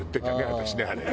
私ねあれ。